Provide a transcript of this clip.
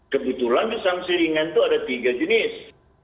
kebetulan di sanksi ringan itu ada tiga jenis